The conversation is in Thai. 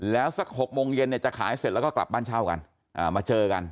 แล้วสัก๖โมงเย็นเนี่ยจะขายเสร็จแล้วก็กลับบ้านเช่ากันมาเจอกัน